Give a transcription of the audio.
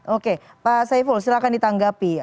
oke pak saiful silahkan ditanggapi